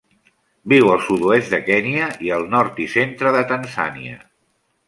Viu al sud-oest de Kenya i el nord i centre de Tanzània.